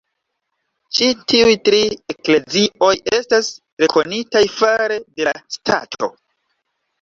Ĉi tiuj tri eklezioj estas rekonitaj fare de la stato.